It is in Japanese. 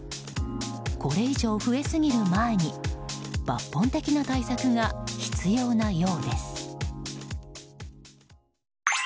これ以上増えすぎる前に抜本的な対策が必要なようです。